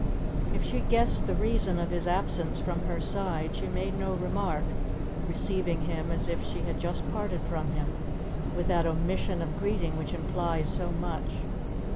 If she guessed the reason of his absence from her side she made no remark, receiving him as if she had just parted from him, with that omission of greeting which implies so much.